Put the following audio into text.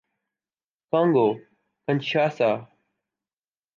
Congo - کنشاسا